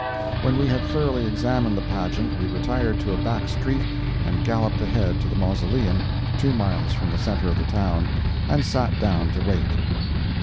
When we had thoroughly examined the pageant we retired to a back street and galloped ahead to the mausoleum, two miles from the center of the town, and sat down to wait.